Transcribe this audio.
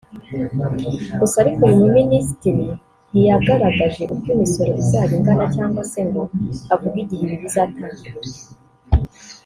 G usa ariko uyu Minisitiri ntiyagaragaje uko imisoro izaba ingana cyangwa se ngo avuge igihe ibi bizatangirira